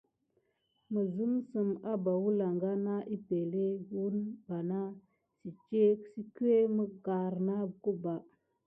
Misem zim abà wəlaŋga nat epəŋle wune ɓana sikué migrana kubà.